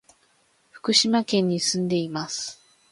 福島県に住んでいます。